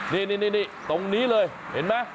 นี่ตรงนี้เลยเห็นไหม